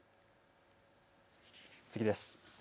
次です。